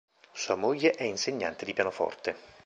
Sua moglie è insegnante di pianoforte.